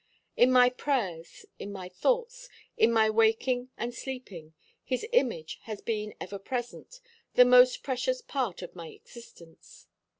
In my prayers, in my thoughts, in my waking and sleeping, his image has been ever present, the most precious part of my existence.